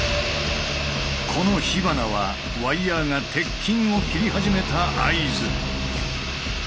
この火花はワイヤーが鉄筋を切り始めた合図。